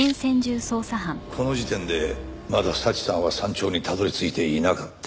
この時点でまだ早智さんは山頂にたどり着いていなかった。